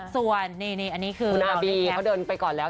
ส่วนนี่คุณอาบี้เขาเดินไปก่อนแล้ว